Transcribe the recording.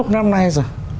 sáu mươi năm nay rồi